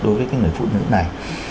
đối với cái người phụ nữ này